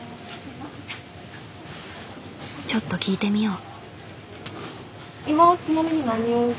ちょっと聞いてみよう。